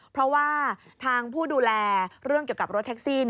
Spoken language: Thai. เพราะว่าทางผู้ดูแลเรื่องเกี่ยวกับรถแท็กซี่